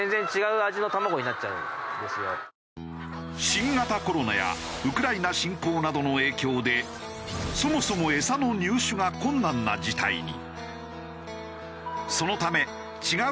新型コロナやウクライナ侵攻などの影響でそもそも餌の入手が困難な事態に。